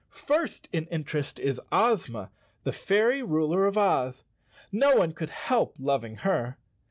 First in interest is Ozma, the fairy ruler of Oz. No one could help loving her.